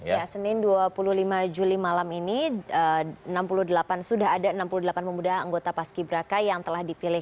ya senin dua puluh lima juli malam ini enam puluh delapan sudah ada enam puluh delapan pemuda anggota paski braka yang telah dipilih